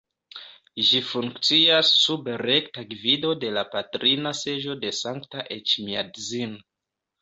Ĝi funkcias sub rekta gvido de la Patrina Seĝo de Sankta Eĉmiadzin.